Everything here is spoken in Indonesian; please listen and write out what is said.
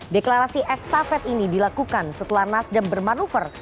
deklarasi estafet ini dilakukan setelah nasdem bermanuver